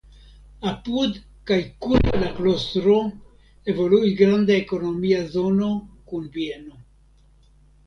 Apud kaj kun la klostro evoluis granda ekonomia zono kun bieno.